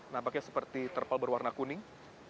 nampaknya seperti terpal berwarna kuning